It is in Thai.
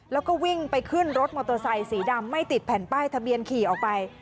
แล้วก็วิ่งไปขึ้นรถมอเตอร์ไซสีดำไม่ติดแผ่นป้ายทะเบียนขี่ออกไป